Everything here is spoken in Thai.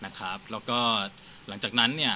แล้วก็หลังจากนั้น